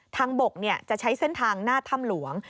บกจะใช้เส้นทางหน้าถ้ำหลวง